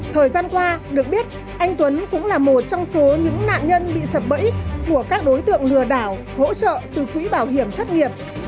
thời gian qua được biết anh tuấn cũng là một trong số những nạn nhân bị sập bẫy của các đối tượng lừa đảo hỗ trợ từ quỹ bảo hiểm thất nghiệp